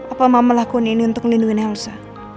apa mama lakuin ini untuk ngelindungi elsa